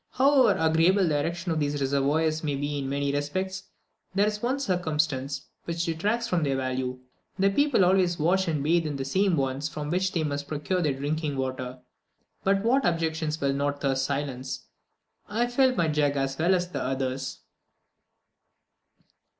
However agreeable the erection of these reservoirs may be in many respects, there is one circumstance which detracts from their value; the people always wash and bathe in the same ones from which they must procure their drinking water. But what objections will not thirst silence? I filled my jug as well as the others!